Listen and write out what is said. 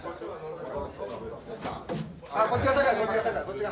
こっちが高いこっちが高いこっちが。